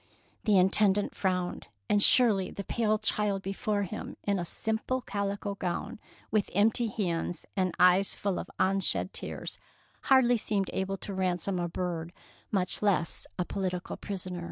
The Intendant frowned; and surely the pale child before him, in a simple calico gown, with empty hands and eyes full of unshed tears, hardly seemed able to ransom a bird, much less a political prisoner.